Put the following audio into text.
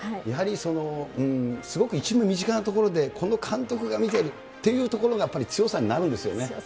やはりすごく一番身近なところで、この監督が見てるっていうところが、やっぱり強さになるんですよね。